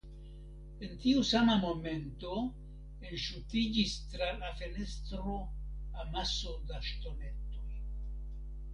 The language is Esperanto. En tiu sama momento, enŝutiĝis tra la fenestro amaso da ŝtonetoj.